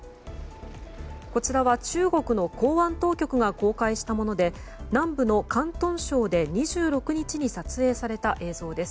こちらは中国の公安当局が公開したもので南部の広東省で２６日に撮影された映像です。